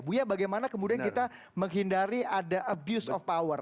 buya bagaimana kemudian kita menghindari ada abuse of power